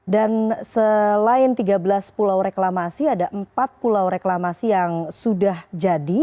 dan selain tiga belas pulau reklamasi ada empat pulau reklamasi yang sudah jadi